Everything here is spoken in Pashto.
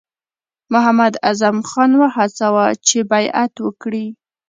محمداعظم خان وهڅاوه چې بیعت وکړي.